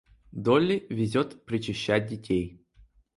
Долли везет причащать детей.